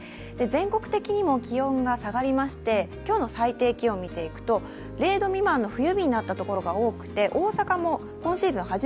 全国的にも気温が下がりまして、今日の最低気温をみていくと０度未満の冬日となったところが多くて大阪も今シーズン